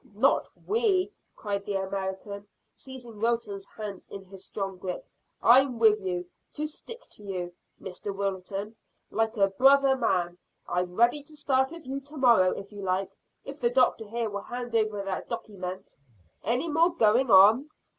"Not we!" cried the American, seizing Wilton's hand in his strong grip. "I'm with you, to stick to you, Mister Wilton, like a brother man. I'm ready to start with you to morrow, if you like, if the doctor here will hand over that dockyment. Any more going on?"